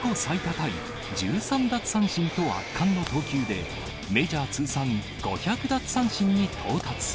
タイ１３奪三振と圧巻の投球で、メジャー通算５００奪三振に到達。